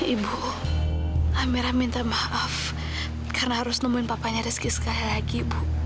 ibu hamil minta maaf karena harus nemuin papanya rizky sekali lagi ibu